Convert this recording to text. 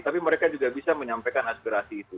tapi mereka juga bisa menyampaikan aspirasi itu